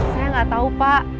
saya gak tau pak